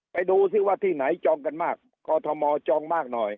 ไปดูซิว่าที่ไหนจองกันมากกอทมจองมากหน่อย